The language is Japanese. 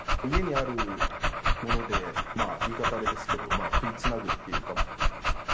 家にあるもので言い方、あれですけど食いつなぐっていうか。